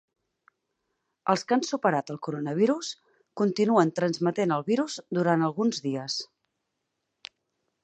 Els que han superat el coronavirus continuen transmetent el virus durant alguns dies